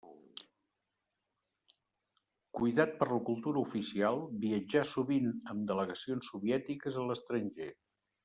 Cuidat per la cultura oficial, viatjà sovint amb delegacions soviètiques a l'estranger.